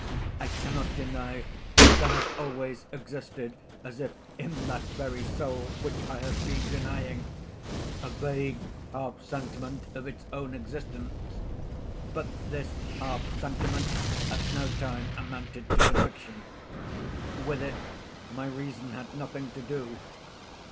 I cannot deny that there has always existed, as if in that very soul which I have been denying, a vague half sentiment of its own existence. But this half sentiment at no time amounted to conviction. With it my reason had nothing to do.